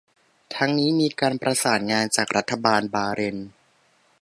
ทั้งนี้มีการประสานงานจากรัฐบาลบาห์เรน